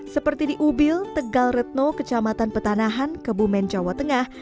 seperti di ubil tegal retno kecamatan petanahan kebumen jawa tengah